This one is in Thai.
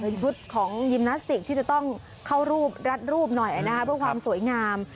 เป็นชุดของยิมนาสติกที่จะต้องเข้ารูปรัดรูปหน่อยนะคะเพื่อความสวยงาม